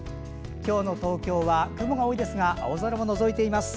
今日の東京は雲が多いですが青空ものぞいています。